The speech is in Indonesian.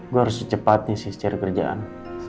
gue harus secepatnya sih cari kerjaan